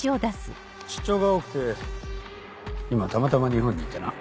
出張が多くて今たまたま日本にいてな。